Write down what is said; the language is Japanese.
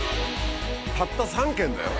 たった３軒だよ。